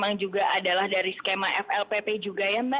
memang juga adalah dari skema flpp juga ya mbak